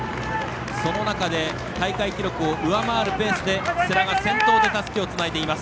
その中で、大会記録を上回るペースで世羅が先頭でたすきをつないでいます。